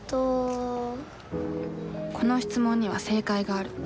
この質問には正解がある。